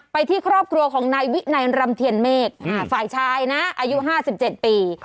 ที่ครอบครัวของนายวินัยรำเทียนเมฆฝ่ายชายนะอายุ๕๗ปี